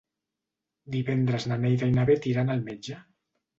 Divendres na Neida i na Bet iran al metge.